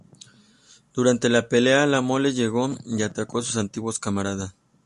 Durante la pelea, la Mole llegó y atacó a sus antiguos camaradas.